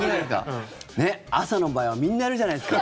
ねっ、朝の場合はみんなやるじゃないですか。